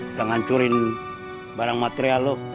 sudah menghancurkan barang material lo